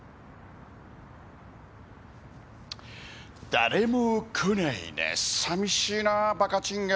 誰も来ないな寂しいなあバカチンが。